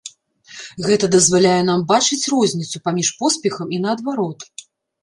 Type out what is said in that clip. Гэта дазваляе нам бачыць розніцу паміж поспехам і наадварот.